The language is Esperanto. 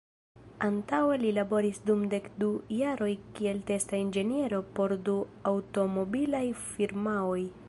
Antaŭe li laboris dum dek du jaroj kiel testa inĝeniero por du aŭtomobilaj firmaoj.